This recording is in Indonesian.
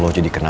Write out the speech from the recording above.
lo jadi kenapa